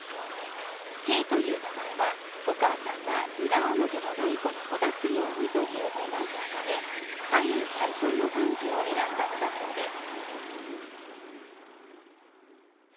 圭という名前はお母さんが、裏表のない子に育つようにという願いを込め左右対称の漢字を選んだのだそうです。